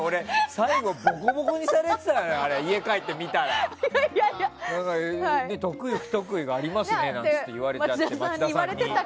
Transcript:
最後、ボコボコにされてたから家帰ってみたら。得意、不得意がありますねなんて言われちゃって。